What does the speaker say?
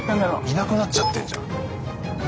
いなくなっちゃってんじゃん。